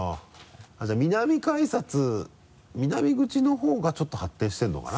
じゃあ南改札南口の方がちょっと発展してるのかな？